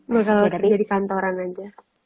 bakal jadi kantoran aja